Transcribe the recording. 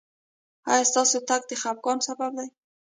ایا ستاسو تګ د خفګان سبب دی؟